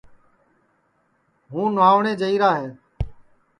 ہُوں نُھاوٹؔیں جائیرا ہے